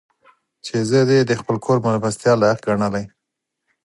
چې زه دې د خپل کور مېلمستیا لایق ګڼلی.